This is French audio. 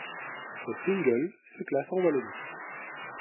Le single se classe en Wallonie.